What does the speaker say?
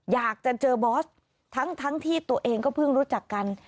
อยากจะเจอบอสทั้งที่ตัวเองก็เพิ่งรู้จักกัน